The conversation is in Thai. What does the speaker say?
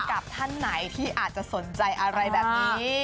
กับท่านไหนที่อาจจะสนใจอะไรแบบนี้